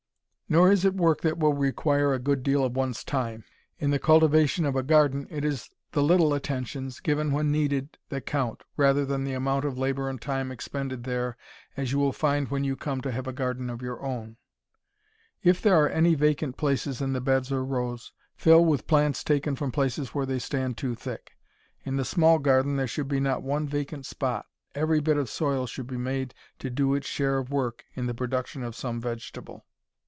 Nor is it work that will require a good deal of one's time. In the cultivation of a garden it is the little attentions, given when needed, that count, rather than the amount of labor and time expended there, as you will find when you come to have a garden of your own. If there are any vacant places in the beds or rows, fill with plants taken from places where they stand too thick. In the small garden there should be not one vacant spot. Every bit of soil should be made to do its share of work in the production of some vegetable.